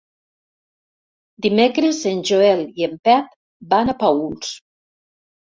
Dimecres en Joel i en Pep van a Paüls.